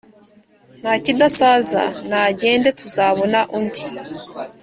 nta kidasaza. nagende tuzabona undi